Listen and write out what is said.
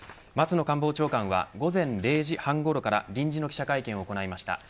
松野官房長官は午前０時半ごろから臨時の記者会見を行いました。